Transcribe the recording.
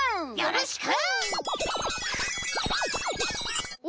よろしく！